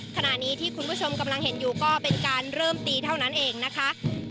ขณะนี้ที่คุณผู้ชมกำลังเห็นอยู่ก็เป็นการเริ่มตีเท่านั้นเองนะคะ